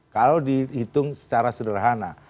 kalau dihitung secara sederhana